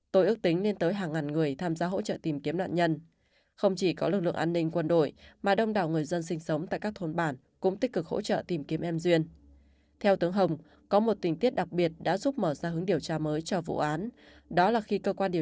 tướng hồng nhớ lại